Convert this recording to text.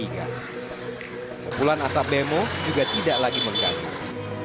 kumpulan asap bemo juga tidak lagi menggantung